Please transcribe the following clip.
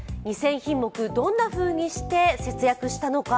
２０００品目、どんなふうにして節約したのか。